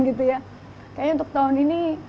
kayaknya untuk tahun ini